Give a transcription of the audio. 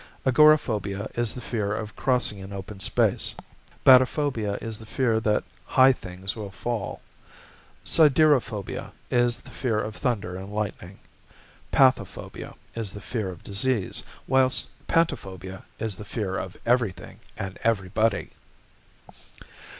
'Agoraphobia' is the fear of crossing an open space, 'batophobia' is the fear that high things will fall, 'siderophobia' is the fear of thunder and lightning, 'pathophobia' is the fear of disease, whilst 'pantophobia' is the fear of everything and everybody.